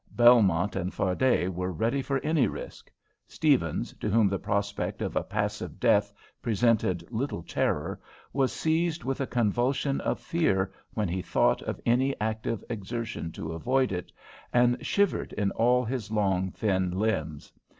Belmont and Fardet were ready for any risk. Stephens, to whom the prospect of a passive death presented little terror, was seized with a convulsion of fear when he thought of any active exertion to avoid it, and shivered in all his long, thin limbs.